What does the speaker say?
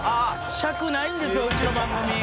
尺ないんですようちの番組」